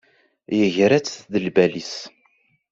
Yegra-tt deg lbal-is.